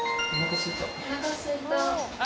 おなかすいた。